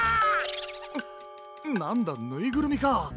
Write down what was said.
うっなんだぬいぐるみか。